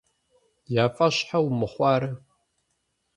Я фӀэщ щхьэ умыхъуарэ?